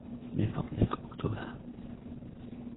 من فضلك اكتبها